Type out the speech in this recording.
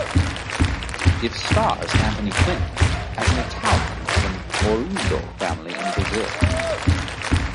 It stars Anthony Quinn as an Italian of an "oriundo" family in Brazil.